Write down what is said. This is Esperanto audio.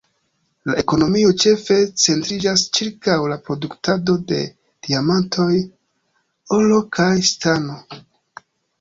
La ekonomio ĉefe centriĝas ĉirkaŭ la produktado de diamantoj, oro kaj stano.